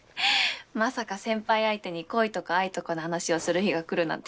まさか先輩相手に恋とか愛とかの話をする日がくるなんて。